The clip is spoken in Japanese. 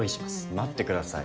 待ってください。